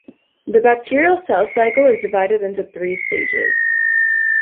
The bacterial cell cycle is divided into three stages.